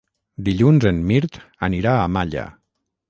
Dilluns en Mirt anirà a Malla.